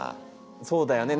そうだよね。